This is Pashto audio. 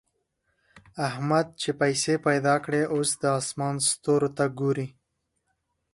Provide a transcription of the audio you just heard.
احمد چې پيسې پیدا کړې؛ اوس د اسمان ستورو ته ګوري.